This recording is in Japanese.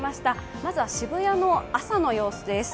まずは渋谷の朝の様子です。